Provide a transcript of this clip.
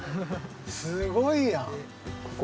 すごいやん！